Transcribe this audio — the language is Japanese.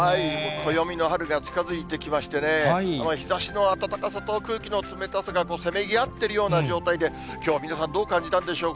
暦の春が近づいてきましてね、日ざしの暖かさと空気の冷たさがせめぎ合っているような状態で、きょうは皆さん、どう感じたんでしょうか。